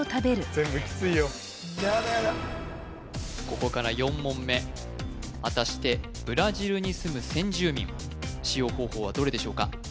ここから４問目果たしてブラジルに住む先住民使用方法はどれでしょうか？